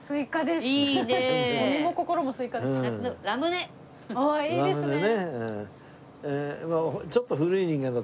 あっいいですね。